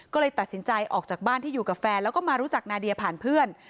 ก็เลยตัดสินใจออกจากบ้านที่อยู่กับแฟนแล้วก็มารู้จักนาเดียผ่านเพื่อน